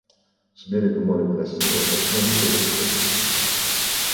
С берега море красиво, а с моря - берег красив.